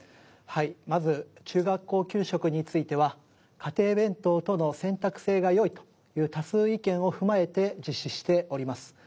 まず中学校給食については「家庭弁当との選択制がよい」という多数意見を踏まえて実施しております。